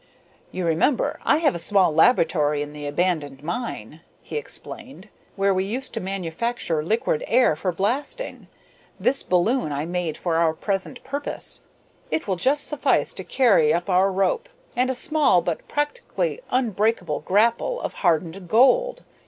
"You remember I have a small laboratory in the abandoned mine," he explained, "where we used to manufacture liquid air for blasting. This balloon I made for our present purpose. It will just suffice to carry up our rope, and a small but practically unbreakable grapple of hardened gold.